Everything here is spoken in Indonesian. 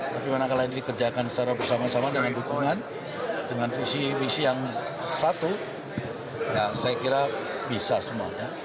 tapi manakala ini dikerjakan secara bersama sama dengan dukungan dengan visi misi yang satu saya kira bisa semua